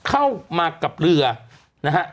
เข้ามากับเรือนะฮะ